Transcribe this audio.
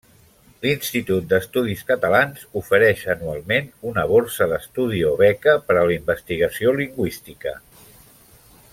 L'Institut d'Estudis Catalans ofereix anualment una borsa d'estudi o beca per a la investigació lingüística.